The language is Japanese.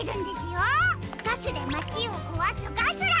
ガスでまちをこわすガスラ！